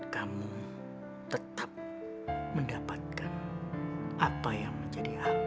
kamu sudah menjalankan tugas kamu dengan baik